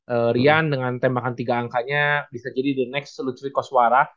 eee rian dengan tembakan tiga angkanya bisa jadi the next lucrico suara